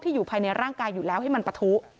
อยู่ภายในร่างกายอยู่แล้วให้มันปะทุ